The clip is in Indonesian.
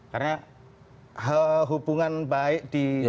karena hubungan baik di daerah